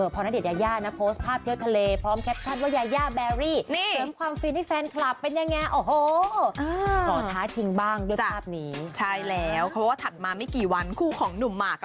พอณเดชยาย่านะโพสตภาพเที่ยวทะเล